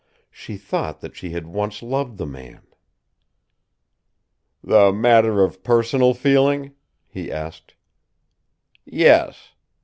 She thought that she had once loved the man. "The matter of personal feeling?" he asked. "Yes.